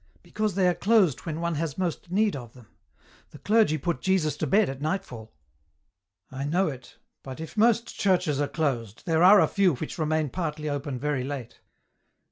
But they are closed when one has most need of them ; the clergy put Jesus to bed at nightfall." " I know it, but if most churches are closed, there are a few which remain partly open very late.